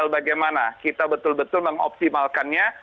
bagaimana kita betul betul mengoptimalkannya